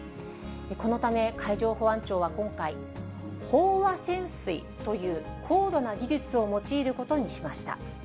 このため、海上保安庁は今回、飽和潜水という、高度な技術を用いることにしました。